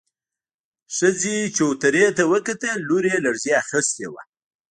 ښځې چوترې ته وکتل، لور يې لړزې اخيستې وه.